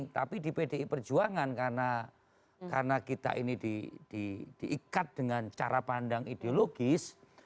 tapi di pdi perjuangan karena kita ini diikat dengan cara pandang ideologis